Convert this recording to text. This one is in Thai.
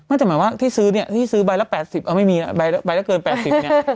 จะหมายว่าที่ซื้อเนี่ยที่ซื้อใบละ๘๐เอาไม่มีใบละเกิน๘๐เนี่ย